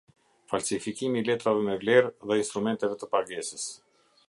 Falsifikimi i letrave me vlerë dhe instrumenteve të pagesës.